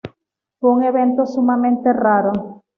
Fue un evento sumamente raro.